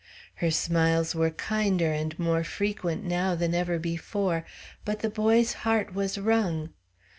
Her smiles were kinder and more frequent now than ever before; but the boy's heart was wrung.